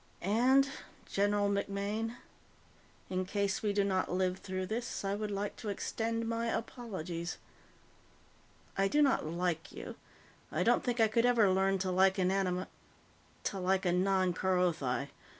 "And, General MacMaine, in case we do not live through this, I would like to extend my apologies. I do not like you; I don't think I could ever learn to like an anim ... to like a non Kerothi.